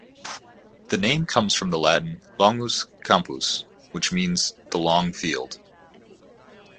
The name comes from the Latin "Longus campus", which means the long field.